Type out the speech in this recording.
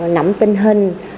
nắm tình hình